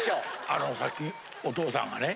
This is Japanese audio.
あのさっきお父さんがね